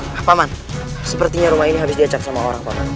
pak paman sepertinya rumah ini habis diajak sama orang pak paman